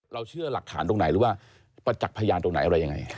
เชื่อหลักฐานตรงไหนหรือว่าประจักษ์พยานตรงไหนอะไรยังไง